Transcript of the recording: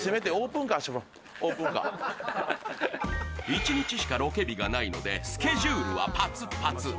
一日しかロケ日がないのでスケジュールはパツパツ。